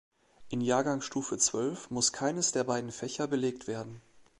In Jahrgangsstufe zwölf muss keines der beiden Fächer belegt werden.